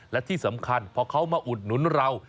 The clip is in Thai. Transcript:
และที่สำคัญพอเขามาอุดหนุนเรา